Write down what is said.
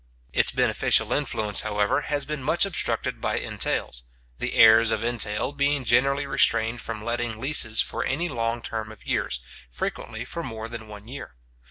Its beneficial influence, however, has been much obstructed by entails; the heirs of entail being generally restrained from letting leases for any long term of years, frequently for more than one year.